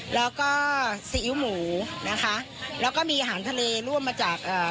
แล้วก็ซีอิ๊วหมูนะคะแล้วก็มีอาหารทะเลร่วมมาจากอ่า